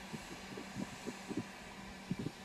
很早就发现织田信长的才能。